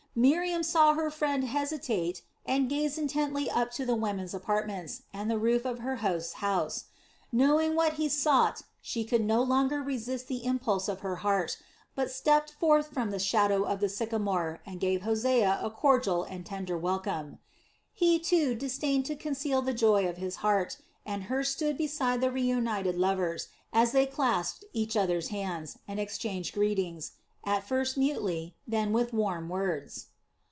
Miriam saw her friend hesitate and gaze intently up to the women's apartments and the roof of her host's house. Knowing what he sought, she could no longer resist the impulse of her heart, but stepped forth from the shadow of the sycamore and gave Hosea a cordial and tender welcome. He, too, disdained to conceal the joy of his heart, and Hur stood beside the reunited lovers, as they clasped each other's hands, and exchanged greetings, at first mutely, then with warm words.